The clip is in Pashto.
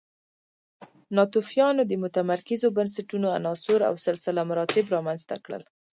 ناتوفیانو د متمرکزو بنسټونو عناصر او سلسله مراتب رامنځته کړل